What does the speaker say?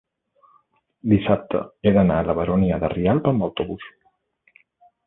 dissabte he d'anar a la Baronia de Rialb amb autobús.